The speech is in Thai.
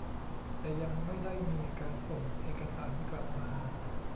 แต่ยังไม่ได้มีการส่งเอกสารกลับมา